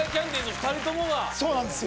２人ともがそうなんですよ